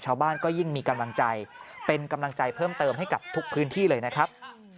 ชาวบ้านก็ยิ่งมีกำลังใจเป็นกำลังใจเพิ่มเติมให้กับทุกพื้นที่เลยนะครับ